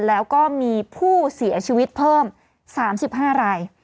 แล้วก็มีผู้เสียชีวิตเพิ่ม๓๕ราย